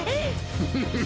フフフ。